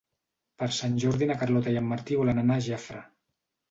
Per Sant Jordi na Carlota i en Martí volen anar a Jafre.